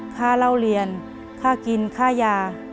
ค่าเล่าเรียนค่ากินค่ายา